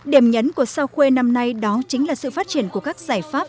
điểm nhấn của sao khuê năm nay đó chính là sự phát triển của các giải pháp